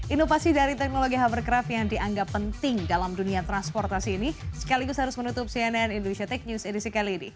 inovasi dari teknologi hovercraft yang dianggap penting dalam dunia transportasi ini sekaligus harus menutup cnn indonesia tech news edisi kali ini